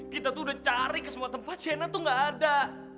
kita tuh udah cari ke semua tempat china tuh gak ada